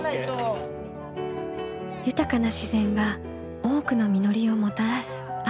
豊かな自然が多くの実りをもたらす秋。